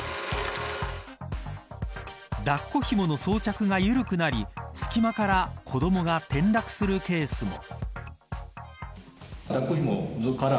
抱っこひもの装着が緩くなり隙間から子どもが転落するケースも。